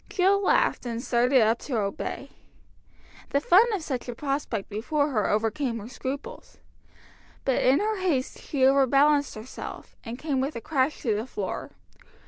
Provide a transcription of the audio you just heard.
Jill laughed, and started up to obey. The fun of such a prospect before her overcame her scruples. But in her haste she overbalanced herself, and came with a crash to the floor.